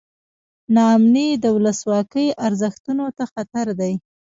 نا امني د ولسواکۍ ارزښتونو ته خطر دی.